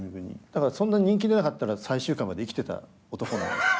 だからそんな人気出なかったら最終回まで生きてた男なんです。